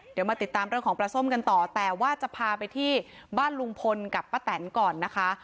เดี๋ยวมาติดตามเรื่องของปลาส้มกันต่อแต่ว่าจะพาไปที่บ้านลุงพลกับป้าแตนก่อนนะคะ